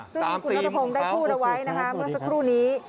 ซึ่งคุณนัทพงศ์ได้พูดเอาไว้นะคะเมื่อสักครู่นี้